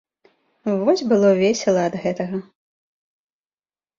Вось было весела ад гэтага.